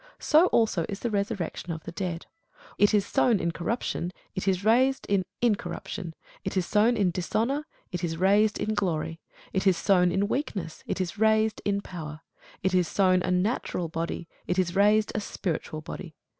So also is the resurrection of the dead. It is sown in corruption; it is raised in incorruption: it is sown in dishonour; it is raised in glory: it is sown in weakness; it is raised in power: it is sown a natural body; it is raised a spiritual body.